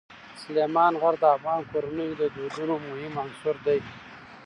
سلیمان غر د افغان کورنیو د دودونو مهم عنصر دی.